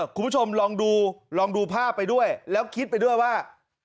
คุณผู้ชมลองดูลองดูภาพไปด้วยแล้วคิดไปด้วยว่า